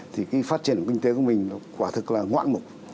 thì cái phát triển kinh tế của mình nó quả thực là ngoạn mục